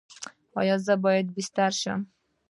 ایا زه باید بستري شم؟